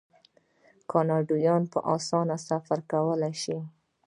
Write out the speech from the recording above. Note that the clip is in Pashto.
کاناډایان په اسانۍ سفر کولی شي.